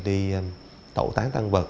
đi tẩu tán tăng vật